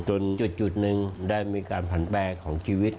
จุดหนึ่งได้มีการผันแปรของชีวิต